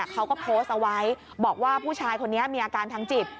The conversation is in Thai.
เขาก็โพสต์เอาไว้บอกว่าผู้ชายคนนี้มีอาการทางจิต